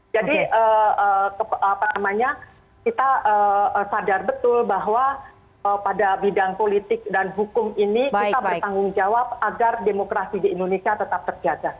jadi kita sadar betul bahwa pada bidang politik dan hukum ini kita bertanggung jawab agar demokrasi di indonesia tetap terjaga